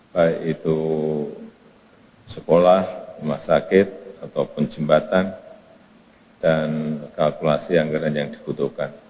baik itu sekolah rumah sakit ataupun jembatan dan kalkulasi anggaran yang dibutuhkan